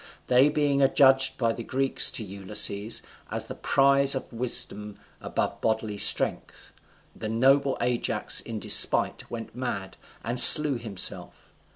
They being adjudged by the Greeks to Ulysses, as the prize of wisdom above bodily strength, the noble Ajax in despite went mad, and slew himself.